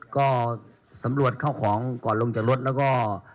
ก็สำรวจเข้าของก่อนลงจากรถแล้วก็